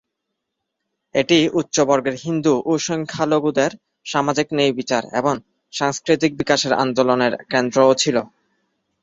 এটি উচ্চ-বর্ণের হিন্দু ও সংখ্যালঘুদের সামাজিক ন্যায়বিচার এবং সাংস্কৃতিক বিকাশের আন্দোলনের কেন্দ্রও ছিল।